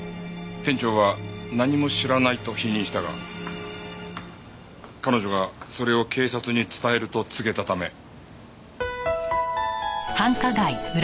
店長は何も知らないと否認したが彼女がそれを警察に伝えると告げたため。